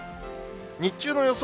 日中の予想